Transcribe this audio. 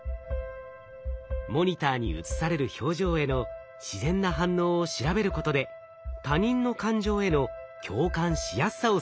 モニターに映される表情への自然な反応を調べることで他人の感情への共感しやすさを測定するんです。